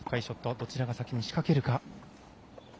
どちらが先に仕掛けるか。